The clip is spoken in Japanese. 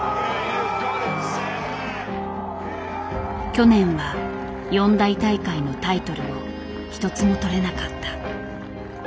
去年は四大大会のタイトルを一つも取れなかった。